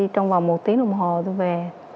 trong vòng một tiếng đồng hồ tôi về